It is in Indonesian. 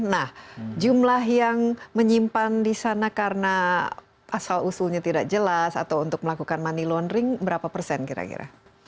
nah jumlah yang menyimpan di sana karena asal usulnya tidak jelas atau untuk melakukan money laundering berapa persen kira kira